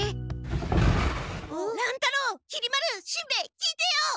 乱太郎きり丸しんべヱ聞いてよ！